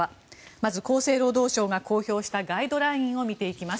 まず厚生労働省が公表したガイドラインを見ていきます。